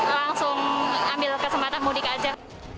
langsung ambil kesempatan mudik aja